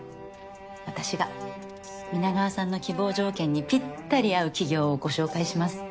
私が皆川さんの希望条件にぴったり合う企業をご紹介します。